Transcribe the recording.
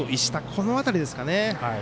この辺りですかね。